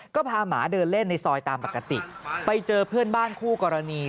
ก็พาหมาเดินเล่นในซอยตามปกติไปเจอเพื่อนบ้านคู่กรณี